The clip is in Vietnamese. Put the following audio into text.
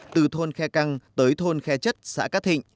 từ thôn khe căng tới thôn khe chất xã cát thịnh